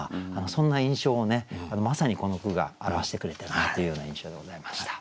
そんな印象をまさにこの句が表してくれてるなというような印象でございました。